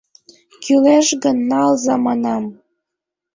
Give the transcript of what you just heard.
Кӱлеш гын, налза, манам.